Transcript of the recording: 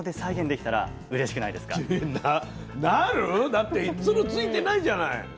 だってつる付いてないじゃない。